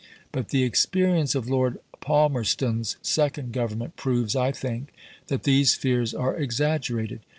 But the experience of Lord Palmerston's second Government proves, I think, that these fears are exaggerated.